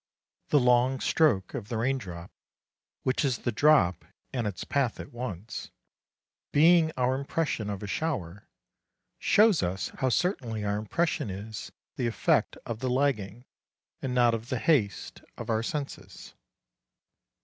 The long stroke of the raindrop, which is the drop and its path at once, being our impression of a shower, shows us how certainly our impression is the effect of the lagging, and not of the haste, of our senses.